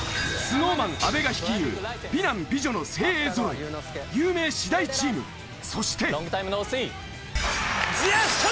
ＳｎｏｗＭａｎ阿部が率いる美男美女の精鋭ぞろいそして。